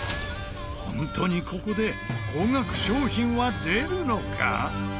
本当にここで高額商品は出るのか？